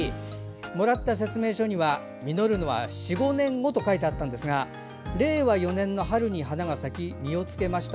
もらった説明書には実るのは４５年後と書いてあったんですが令和４年春に花が咲き実をつけました。